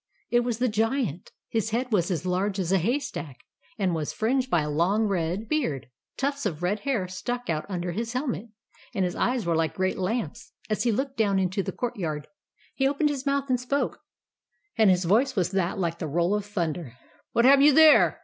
It was the Giant. His head was as large as a hay stack, and was fringed with a long red 168 THE ADVENTURES OF MABEL beard. Tufts of red hair stuck out under his helmet, and his eyes were like great lamps as he looked down into the court yard. He opened his mouth and spoke; and his voice was like the roll of thunder. "WHAT HAVE YOU THERE?"